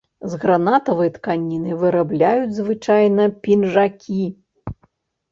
З гранатавай тканіны вырабляюць звычайна пінжакі.